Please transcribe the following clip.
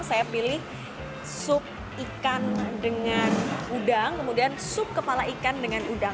saya pilih sup ikan dengan udang kemudian sup kepala ikan dengan udang